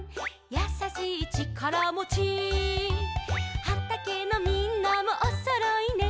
「やさしいちからもち」「はたけのみんなもおそろいね」